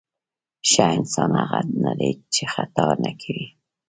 ښه انسان هغه نه دی چې خطا نه کوي.